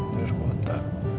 di luar kota